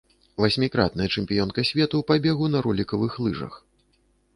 Васьмікратная чэмпіёнка свету па бегу на ролікавых лыжах.